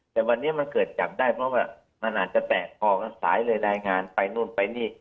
แต่วันนี้มันเกิดจับได้เพราะว่ามันอาจจะแตกคอกันสายเลยรายงานไปนู่นไปนี่